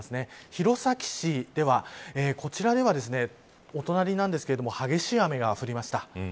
弘前市では、こちらではお隣なんですけど激しい雨が降りました。